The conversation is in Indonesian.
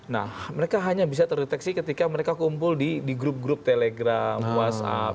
nah mereka hanya bisa terdeteksi ketika mereka kumpul di grup grup telegram whatsapp